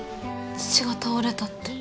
父が倒れたって。